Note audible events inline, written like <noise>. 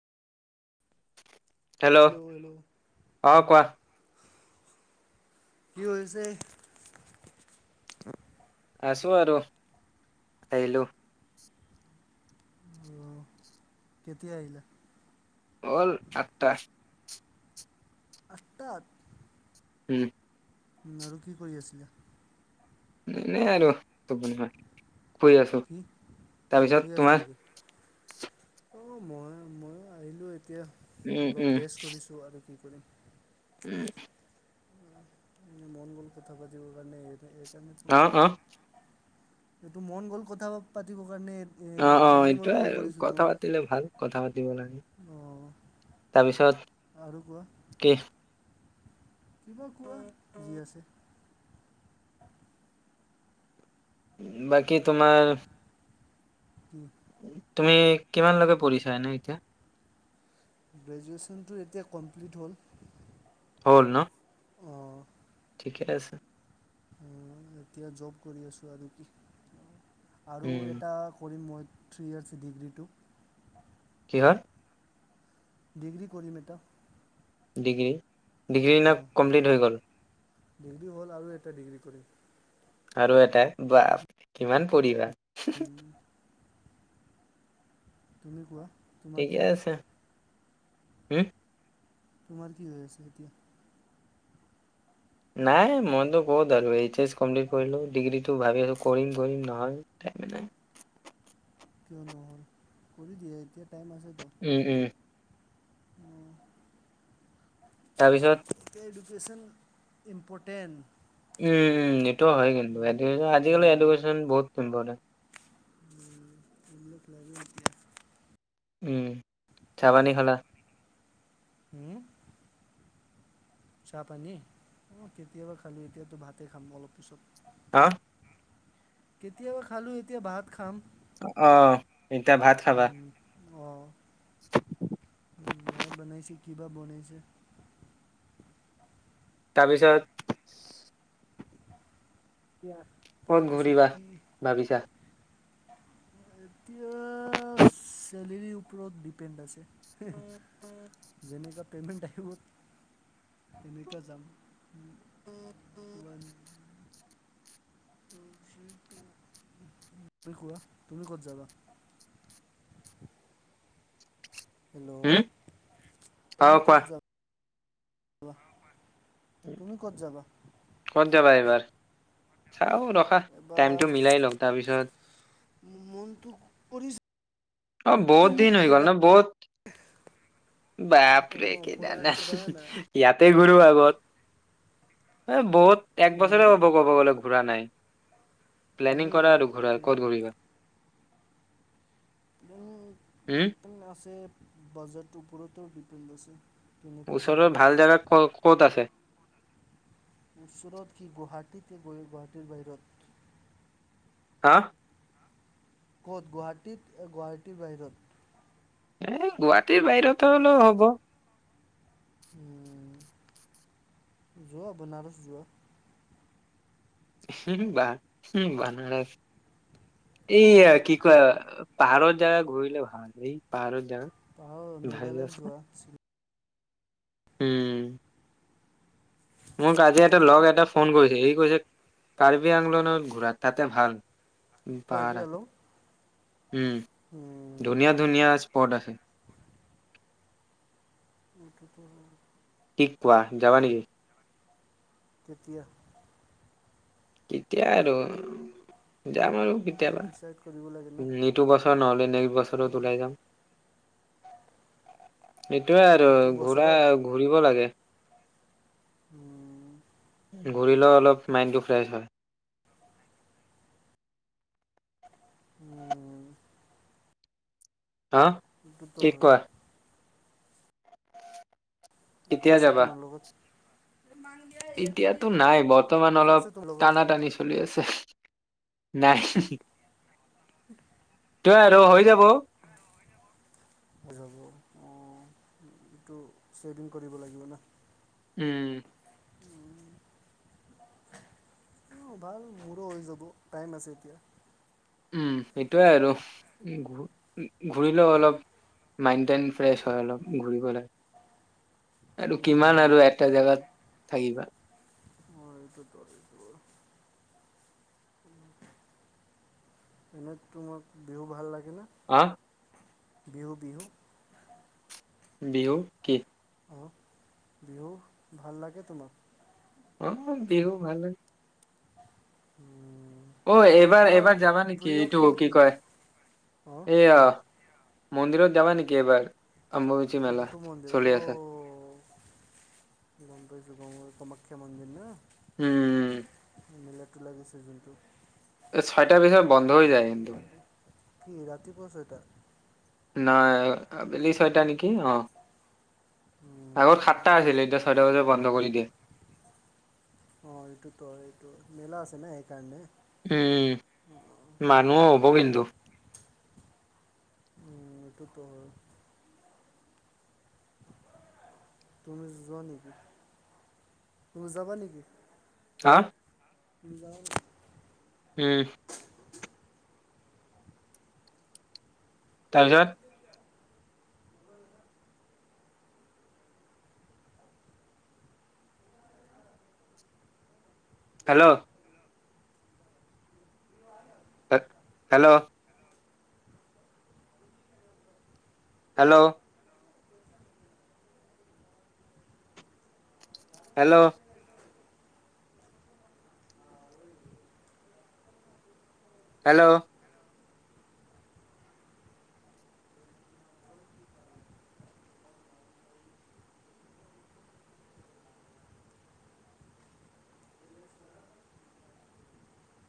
<unintelligible> Hello অ' কোৱা কি হৈ হৈছে? আছো আৰু আহিলো অ' কেতিয়া আহিলা? হল আঠটা সষ্ট <inaudible> উম। উম আৰু কি কৰি আছিলা? এনে আৰু শুই আছো কি অ' শুই তাৰপিছত আছা তোমাৰ। নেকি অ' মই ময়ো আহিলো এ এতিয়া উম অলপ উম ৰেছ কৰিছোঁ আৰু কি। ক' উম। মানে মন গ'ল কথা পাতিবৰ কাৰণে। <inaudible> অ অ এইটো মন গ'ল কথা পাতিব। অ -অ এইটোৱে আৰু তোমাক কথা পাতিলে ভাল কথা পাতিব লাগে অ' তাৰপিছত আৰু কোৱা কি কিবা কোৱা যি আছে। বাকী তোমাৰ? উম। তুমি কিমানলৈকে পৰিঢ়ছানে এতিয়া? গ্ৰেজুৱেশ্যনটো এতিয়া কমপ্লিট হ'ল হ'ল ন' অ' ঠিকে আছে। এতিয়া জব কৰি আছো আৰু কি? আৰু উম এটা কৰিম মই। <unintelligible> কি হ'ল ডিগ্ৰী কৰিম এতিয়া ডিগ্ৰী। ডিগ্ৰীৰ দিনা কমপ্লিট হৈ গ'ল। ডিগ্ৰী হ'ল আৰু এটা ডিগ্ৰী কৰি। আৰু এটাই বা কিমান পৰিবা। তুমি কোৱা। তোমাৰ ঠিকে কি আছে। হম। তোমাৰ কি হৈ আছে এতিয়া। নাই মইতো ক'ত আৰু এইচ এচ কমপ্লিট কৰিলো, ডিগ্ৰীটো ভাবি আছো, কৰিম কৰিম নহয় টাইম নাই। কিয়? নহল কৰি দিয়ে এতিয়া। টাইম আছেতো উম উম। অঁ তাৰপিছত। এতিয়া এডুকেশ্যন ইম্পৰ্টেণ্ট। উম উম এইটোও হয় কিন্তু, আজিকালি এডুকেশন বহুত ইম্পৰ্টেণ্ট। <inaudible> উম চা-পানী খালা। হুম চাহ পানী কেতিয়াবাই খালো, ‌এতিয়াতো ভাতে খাম অলপ পিছত। হা। কেতিয়াবাই খালো এতিয়া ভাত খাম। অ' এতিয়া ভাত খাবা? অ। মই বনাইচিলো। কিবা বনাইছে। তাৰপিছত। দিয়া। ক'ত তাৰপিছত ঘূৰিবা কি ভাবিছা! এতিয়া চেলেৰীৰ ওপৰত ডিপেণ্ড আছে, যেনেকা পেমেণ্ট‌ আহিব তেনেকা যাম। কোৱা তুমি ক'ত যাবা? হেল্লো, হুম অ তুমি কোৱা ক'ত যাবা? কোৱা। ক'ত যাবা এবাৰ? অ' ৰখা এবাৰ টাইমটো মিলাই লও তাৰপিছত। মনটো কৰিছে। অ' বহুত মোক দিন হৈ গল কেদা ন বহুত বাপৰে অঁ ফুৰা কেদাৰনাথ ফুৰা নাই ইয়াতে। আগত এ বহুত। এক বছৰে হব ক'ব গ'লে ঘূৰা নাই। প্লেনিং কৰা আৰু ঘূৰাৰ এইটোৱে ক'ত ঘূৰিবা। উম ডিপু আছে বাজেট ওপৰটো ডিপু আছে কেনেকুৱা ওচৰৰ বাজেট ভাল জেগা ক'ত আছে। ওচৰত কি গুৱাহাটীতে গুৱাহাটীৰ বাহিৰত। হা ক'ত গুৱাহাটীত- গুৱাহাটী বাহিৰত এ গুৱাহাটীৰ বাহিৰতে হলেও হ'ব উম যোৱা বনাৰস যোৱা বা বানাৰস এয়া অঁ কি কয় পাহাৰৰ জাগা ঘূৰিল ভাল এই পাৰ পাহৰ ভালে মেঘালয় আছা যোৱা উম। মোক আজি এটা লগ এটা ফোন কৰিছে ই কৈছে। কাৰ্বি আংলনত ঘূৰা তাতে ভাল। কাৰ্বি ভাৰত <unintelligible> আলং উম উম ধুনীয়া ধুনীয়া আ কত আছে? ইউটবৰ কি কোৱা, যাবা নেকি? কেতিয়া? কেতিয়া আৰু যাম আৰু এইটো কেতিয়াবা, ডিচাইড কৰিব লাগে না ইটো বছৰ নহ'লে নেক্সট বছৰত উম, ওলাই যাম। এইটোয়ে আৰু এইটো ঘূৰা বছৰত ঘূৰিব লাগে উম। ঘূৰিলেও অলপ মাইণ্ডটো ফ্ৰেছ হয়। উম হা। এইটোতো কি হয় কোৱা? কেতিয়া তছ যাবা তোমাৰ লগত এতিয়াতো নাই। বৰ্তমান বজাৰ অলপ আছে তোৰ লগত টানা-টানি চলি আছে। নাই। <unintelligible> তই আৰু হয় <unintelligible> জাবো অ এইটো চেভিং কৰিব লাগিব ন। উম। উ ভাল মোৰো হৈ যাব টাইম আছে এতিয়া উম সেইটোৱে আৰু ঘূৰিলেও অলপ মাইণ্ড টাইন ফ্ৰেছ হয় অলপ ঘূৰিবলৈ। আৰু কিমান আৰু এটা এইটোতো জাগাত থাকিবা। অ' এইটো এইটো এনে তোমাক বিহু ভাল লাগে। হা <inaudible> বিহু বিহু বিহু কি? অ', বিহু ভাল লাগে তোমাৰ। অ' বিহু ভাল লাগে। <inaudible> অ এনে এইবাৰ তোমাৰ এইবাৰ যাবা নেকি প্ৰিয় এইটো অ খেল কি কয় অঁ এইয়া কি মন্দিৰত যাব নেকি এবাৰ? অম্বুবাচী মেলা কোনটো মন্দিৰ? চলি অ! আছে। গম পাইছোঁ গম- কামাখ্যা মন্দিৰ না? উম মেলাটো লাগিছে যোনটো এই ছয় তাৰ পিছত বন্ধ হৈ যায় কিন্তু কি ৰাতিপুৱা ছয়টা? নাই আবেলি ছয়টা উম, নেকি অ। উম, আগত উম। সাতটা আছিলে এতিয়া ছয়টা বজাত বন্ধ কৰি- গে অ এইটোতো এইটো মেলা আছে নে এইকাৰণে উম মানুহো হব কিন্তু উম এইটো তহ হয় তুমি যোৱা নেকি? তুমি যাবা নেকি? হা? তুমি যাবা নেকি? উম তাৰ পিছত? হেল্ল' হ হেল্ল হেল্ল' হেল্ল' হেল্ল'